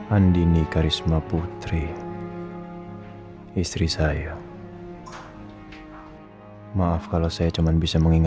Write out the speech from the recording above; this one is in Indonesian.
aduh pusing banget nih orang semuanya